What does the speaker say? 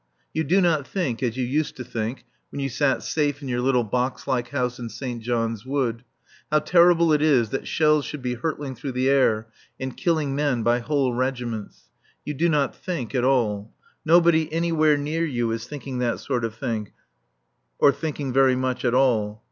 You do not think, as you used to think when you sat safe in your little box like house in St. John's Wood, how terrible it is that shells should be hurtling through the air and killing men by whole regiments. You do not think at all. Nobody anywhere near you is thinking that sort of thing, or thinking very much at all.